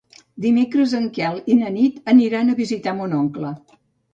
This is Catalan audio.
Dimecres en Quel i na Nit aniran a visitar mon oncle.